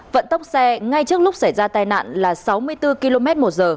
vận tốc xe ngay trước lúc xảy ra tai nạn là sáu mươi bốn kmh